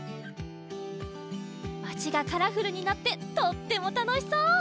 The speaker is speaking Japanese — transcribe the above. まちがカラフルになってとってもたのしそう！